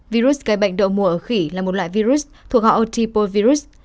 virus gây bệnh độ mùa ở khỉ là một loại virus thuộc họ otypovirus